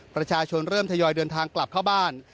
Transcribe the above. ประชาชนเริ่มทยอยเดินทางกลับเข้าบ้าน